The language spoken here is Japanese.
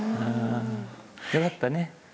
よかったね。